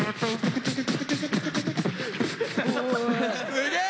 すげえ！